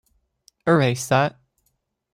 Erase that.